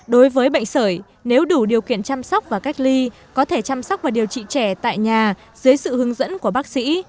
đối với bệnh sởi nếu đủ điều kiện chăm sóc và cách ly có thể chăm sóc và điều trị trẻ tại nhà dưới sự hướng dẫn của bác sĩ